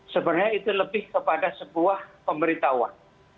sebenarnya itu lebih kepada sebuah pemberitahuan